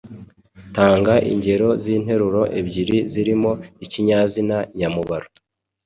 Tanga ingero z’interuro ebyiri zirimo ikinyazina nyamubaro.